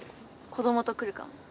子供と来るかも。